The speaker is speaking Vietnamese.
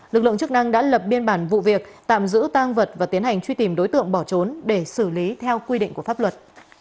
lực lượng chức năng đã lập biên bản vụ việc tạm giữ tăng vật và tiến hành truy tìm đối tượng bỏ trốn để xử lý theo quy định của pháp luật